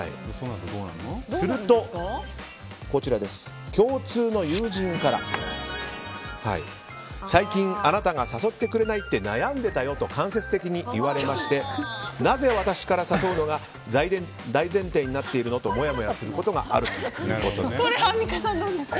すると、共通の友人から最近あなたが誘ってくれないって悩んでたよと間接的に言われましてなぜ私から誘うのが大前提になっているのともやもやすることがあるということです。